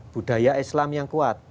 budaya islam yang kuat